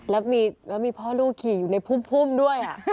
แล้วมีพ่อลูกขี่อยู่ในพุ่มด้วย